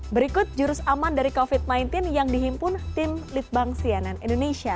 berikut jurus aman dari covid sembilan belas yang dihimpun tim litbang cnn indonesia